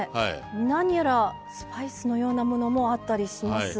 何やらスパイスのようなものもあったりしますが。